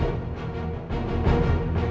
itu sangat banyak perubahan